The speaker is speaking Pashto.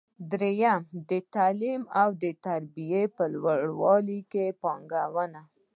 درېیم: د تعلیم او تربیې په لوړولو کې پانګونه.